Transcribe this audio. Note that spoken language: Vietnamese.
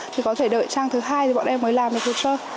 thì có thể đợi trang thứ hai thì bọn em mới làm được hồ sơ